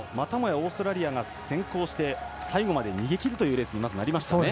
オーストラリアが先行して最後まで逃げきるというレースになりました。